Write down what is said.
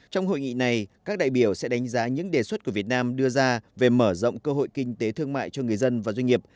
trong hội nghị này các đại biểu sẽ đánh giá những đề xuất của việt nam đưa ra về mở rộng cơ hội kinh tế thương mại cho người dân và doanh nghiệp